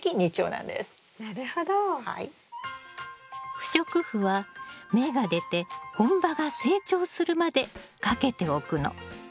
不織布は芽が出て本葉が成長するまでかけておくの。